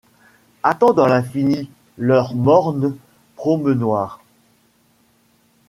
Attends dans l’infini, leur morne promenoir